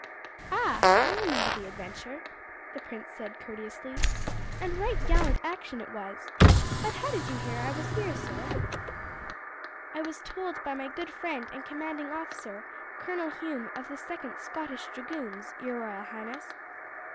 "Ah! I remember the adventure," the prince said courteously, "and right gallant action it was; but how did you hear that I was here, sir?" "I was told by my good friend and commanding officer, Colonel Hume of the 2nd Scottish Dragoons, your royal highness."